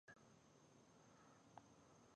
زه له نورو سره مرسته کوم.